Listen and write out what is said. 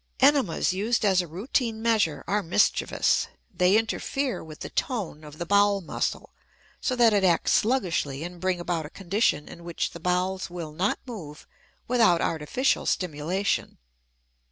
Enemas used as a routine measure are mischievous. They interfere with the "tone" of the bowel muscle so that it acts sluggishly and bring about a condition in which the bowels will not move without artificial stimulation.